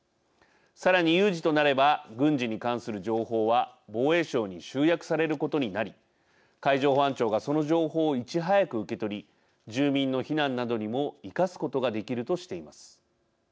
さらに有事となれば軍事に関する情報は防衛省に集約されることになり海上保安庁がその情報を、いち早く受け取り住民の避難などにも生かすことができるとしています。